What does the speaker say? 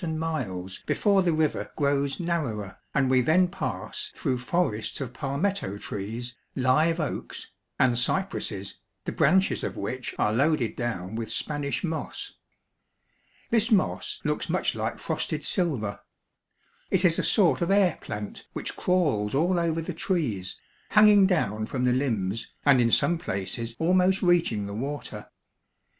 and miles before the river grows narrower, and we then pass through forests of palmetto trees, live oaks, and cypresses, the branches of which are loaded down with Spanish moss. This moss looks much like frosted silver. It is a sort of air plant which crawls all over the trees, hanging down from the limbs, and in some places almost reaching the water.